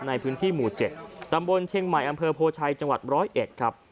ในพื้นที่หมู่๗ตำบลเชียงใหม่อำเภอโพชัยจังหวัด๑๐๑ครับ